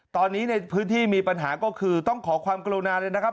ตอนนี้ในพื้นที่มีปัญหาก็คือต้องขอความกรุณาเลยนะครับ